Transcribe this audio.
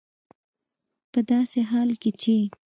په داسې حال کې چې